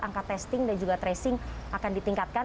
angka testing dan juga tracing akan ditingkatkan